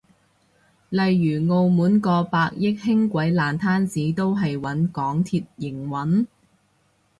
例如澳門個百億輕軌爛攤子都係搵港鐵營運？